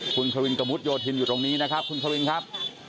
คุณควินกระมุดโยธินอยู่ตรงนี้นะครับคุณควินครับ